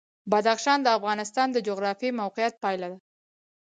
بدخشان د افغانستان د جغرافیایي موقیعت پایله ده.